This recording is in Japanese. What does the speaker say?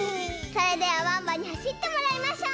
それではワンワンにはしってもらいましょう！